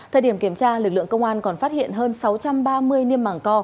thời điểm kiểm tra lực lượng công an còn phát hiện hơn sáu trăm ba mươi niêm mảng co